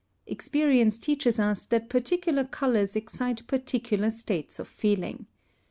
Experience teaches us that particular colours excite particular states of feeling.